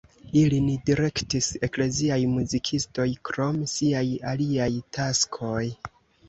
Ilin direktis ekleziaj muzikistoj krom siaj aliaj taskoj.